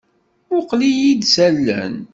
Mmuqqel-iyi-d s allen.